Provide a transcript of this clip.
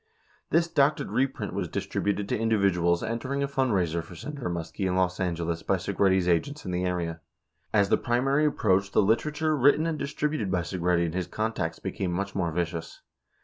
83 This doctored reprint was distributed to individuals entering a fund raiser for Senator Muskie in Los Angeles by Segretti's agents in the area. 84 As the primary approached, the literature written and distributed by Segretti and his contacts became much more vicious.